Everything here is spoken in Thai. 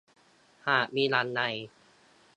หากมีวันใด